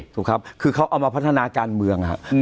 ถูกครับคือเขาเอามาพัฒนาการเมือง